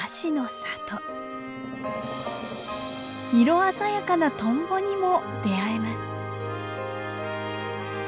色鮮やかなトンボにも出会えます。